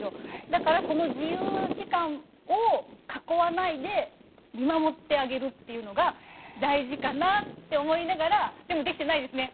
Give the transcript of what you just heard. だからその自由時間を囲わないで見守ってあげるというのが大事かなって思いながらでもできてないですね。